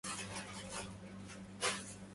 ويغتدي مجتهدا في درسهِ في كل يوم زائدآ عن امسهِ